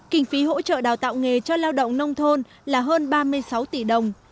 kinh phí hỗ trợ đào tạo nghề cho lao động nông thôn là hơn ba mươi sáu tỷ đồng